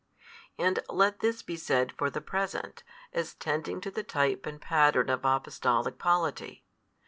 And let this be said for the present, as tending to the type and pattern of Apostolic polity.